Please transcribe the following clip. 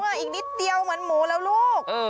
เหมือนหมูอ่ะอีกนิดเดียวเหมือนหมูแล้วลูกเออ